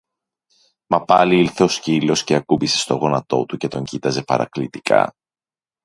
Μα πάλι ήλθε ο σκύλος και ακούμπησε στο γόνατο του και τον κοίταζε παρακλητικά